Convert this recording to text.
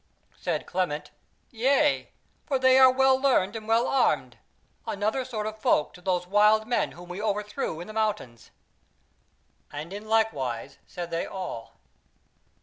Said Clement: "Yea, for they are well learned and well armed; another sort of folk to those wild men whom we otherthrew in the mountains." And in like wise said they all.